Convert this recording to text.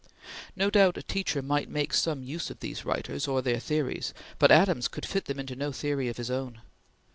No doubt, a teacher might make some use of these writers or their theories; but Adams could fit them into no theory of his own.